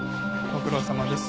ご苦労さまです。